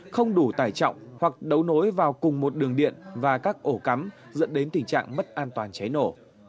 không đủ tải trọng hoặc đấu nối vào cùng một đường điện và các ổ cắm dẫn đến tình trạng mất an toàn cháy nổ